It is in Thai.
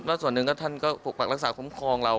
โดยเพราะส่วนหนึ่งท่านก็อุปกรณ์รักษาคลุมคลองเรา